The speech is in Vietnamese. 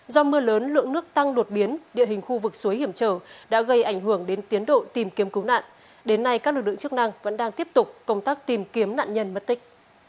do mưa lớn lượng nước tăng đột biến địa hình khu vực suối hiểm trở đã gây ảnh hưởng đến tiến độ tìm kiếm cứu nạn đến nay các lực lượng chức năng vẫn đang tiếp tục công tác tìm kiếm nạn nhân mất tích